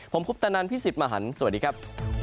ผมคุปตานันท์พี่สิบมาหันสวัสดีครับ